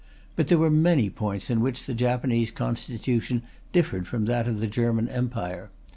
But there were many points in which the Japanese Constitution differed from that of the German Empire.